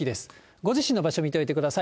ご自身の場所、見ておいてください。